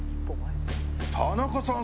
田中さん